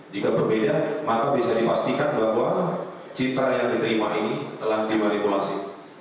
jika berbeda maka bisa dipastikan bahwa citra yang diterima ini telah dimanipulasi